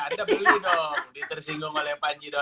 anda beli dong di tersinggungolehpanji com